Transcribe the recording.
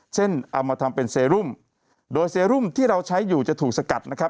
เอามาทำเป็นเซรุมโดยเซรุมที่เราใช้อยู่จะถูกสกัดนะครับ